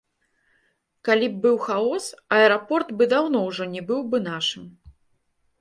Калі б быў хаос, аэрапорт бы даўно ўжо не быў бы нашым.